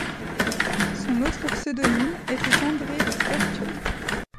Son autre pseudonyme était Andrée Vertiol.